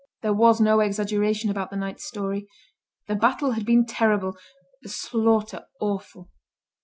There was no exaggeration about the knight's story. The battle had been terrible, the slaughter awful.